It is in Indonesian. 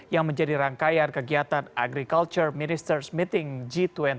yang menjadi rangkaian kegiatan agriculture ministers meeting g dua puluh